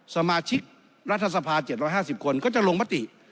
สมาชิกรัฐสภา๗๕๐คนก็จะลงมติ